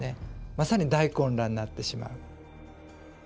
まさに大混乱になってしまう。